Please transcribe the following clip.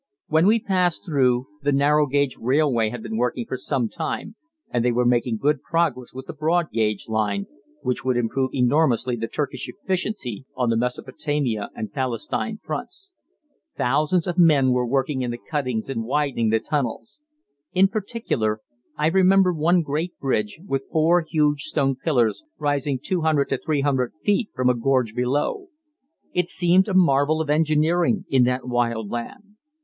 When we passed through, the narrow gauge railway had been working for some time and they were making good progress with the broad gauge line, which would improve enormously the Turkish efficiency on the Mesopotamia and Palestine fronts. Thousands of men were working in the cuttings and widening the tunnels. In particular, I remember one great bridge, with four huge stone pillars rising 200 to 300 feet from a gorge below. It seemed a marvel of engineering in that wild land.